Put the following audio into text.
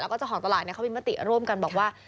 แล้วก็เจ้าของตลาดเขามีมติร่วมกันบอกว่า